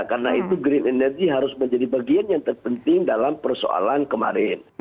karena itu green energy harus menjadi bagian yang terpenting dalam persoalan kemarin